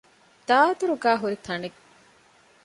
ދާދަރުގައި ހުރި ތަނެއް